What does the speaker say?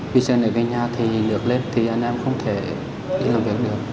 vì giờ nếu về nhà thì nước lên thì anh em không thể đi làm việc được